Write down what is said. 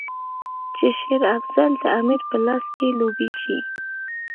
چې شېر افضل د امیر په لاس کې لوبیږي.